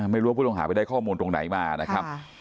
ไม่รู้ว่าผู้ต้องหาไปได้ข้อมูลตรงไหนมานะครับ